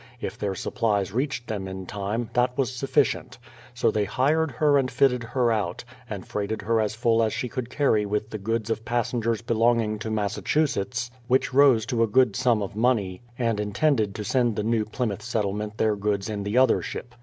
If their supplies reached them in time, that was sufficient. So they hired her and fitted her out, and freighted her as full as she could carry with the goods of passengers belonging to Massachusetts, which rose to a good sum of money, and intended to send the New Plymouth settlement their goods in the other ship.